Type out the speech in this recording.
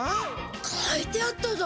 書いてあっただ。